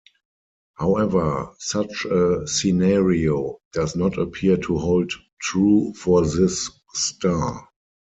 However, such a scenario does not appear to hold true for this star.